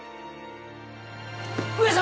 上様！